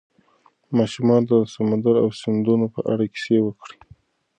ماشومانو ته د سمندر او سیندونو په اړه کیسې وکړئ.